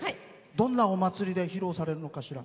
どんなお祭りで披露してるのかしら？